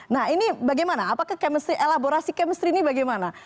nah ini bagaimana apakah elaborasi chemistry ini bagaimana